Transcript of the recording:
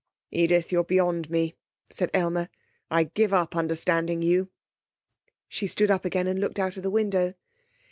'Edith, you're beyond me,' said Aylmer. 'I give up understanding you.' She stood up again and looked out of the window.